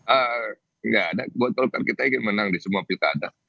enggak ada buat golkar kita ingin menang di semua pilkada